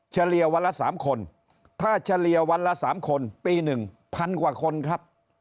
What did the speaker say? เฉลี่ยวันละสามคนถ้าเฉลี่ยวันละสามคนปีหนึ่งพันกว่าคนครับ